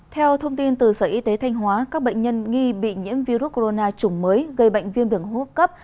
theo thông tin từ sở y tế thanh hóa các bệnh nhân nghi bị nhiễm virus corona chủng mới gây bệnh viêm đường hô hấp cấp